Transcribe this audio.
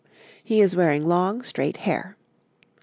He is wearing long, straight hair.